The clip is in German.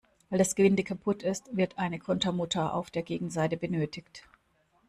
Weil das Gewinde kaputt ist, wird eine Kontermutter auf der Gegenseite benötigt.